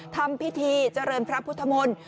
ทำพิธีเจริญพระพุทธมนตร์